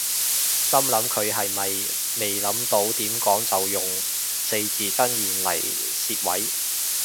心諗佢係咪未諗到點講就用四字真言嚟攝位